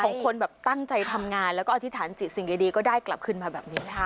ของคนแบบตั้งใจทำงานแล้วก็อธิษฐานจิตสิ่งดีก็ได้กลับขึ้นมาแบบนี้นะคะ